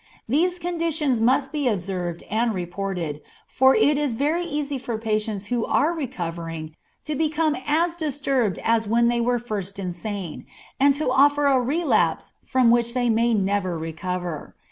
These conditions must be observed and reported, for it is very easy for patients who are recovering to become as disturbed as when they were first insane, and to suffer a relapse from which they may never recover.